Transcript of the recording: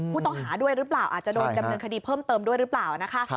ผู้ต้องหาด้วยหรือเปล่าอาจจะโดนดำเนินคดีเพิ่มเติมด้วยหรือเปล่านะคะ